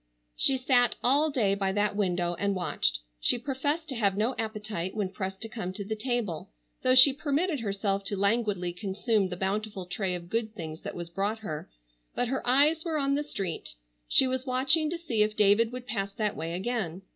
She sat all day by that window and watched. She professed to have no appetite when pressed to come to the table, though she permitted herself to languidly consume the bountiful tray of good things that was brought her, but her eyes were on the street. She was watching to see if David would pass that way again.